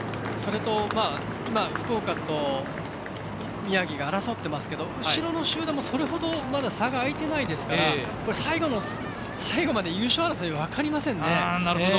それと、福岡と宮城争っていますが後ろの集団もそれほど差があいてないですから最後の最後まで優勝争いは分かりませんね。